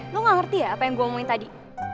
lo gak ngerti ya apa yang gue omongin tadi